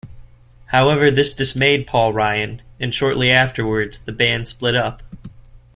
However, this dismayed Paul Ryan, and shortly afterwards the band split up.